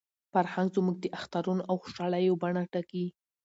فرهنګ زموږ د اخترونو او خوشالیو بڼه ټاکي.